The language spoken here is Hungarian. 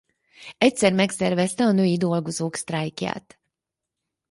Egyszer megszervezte a női dolgozók sztrájkját.